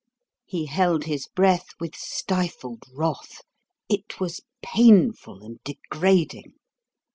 He held his breath with stifled wrath. It was painful and degrading.